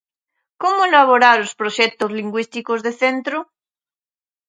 ¿Como elaborar os proxectos lingüísticos de centro?